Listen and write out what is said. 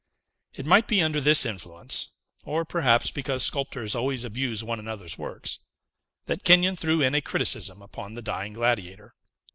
It might be under this influence or, perhaps, because sculptors always abuse one another's works that Kenyon threw in a criticism upon the Dying Gladiator.